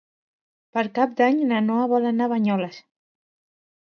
Per Cap d'Any na Noa vol anar a Banyoles.